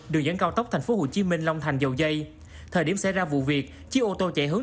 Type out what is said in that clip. đường dẫn cao tốc tp hcm long thành dầu dây thời điểm xảy ra vụ việc chiếc ô tô chạy hướng